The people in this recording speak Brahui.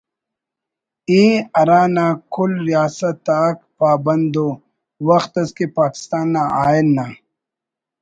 ءِ ہرا نا کل ریاست آک پابند ءُ وخت اس کہ پاکستان نا آئین نا